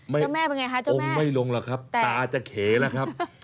ไม่อองไม่ลงหรอครับตาจะเขนครับ